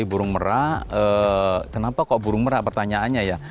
burung merah kenapa kok burung merah pertanyaannya ya